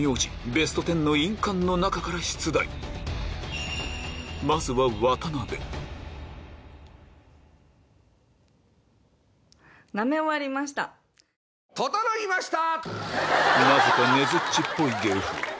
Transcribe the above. ベスト１０の印鑑の中から出題まずはととのいました！